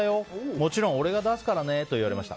もちろん俺が出すからねと言われました。